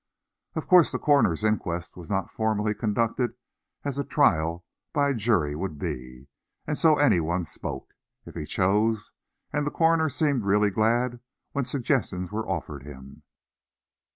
Of course the coroner's inquest was not formally conducted as a trial by jury would be, and so any one spoke, if he chose, and the coroner seemed really glad when suggestions were offered him.